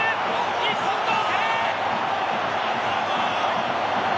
日本、同点。